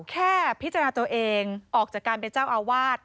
แค่พิจารณาตัวเองออกจากการเป็นเจ้าอาวาส